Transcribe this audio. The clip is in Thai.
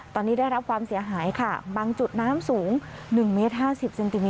ตอนนี้ได้รับความเสียหายค่ะบางจุดน้ำสูงหนึ่งเมตรห้าสิบเซนติเมตรอ่ะค่ะ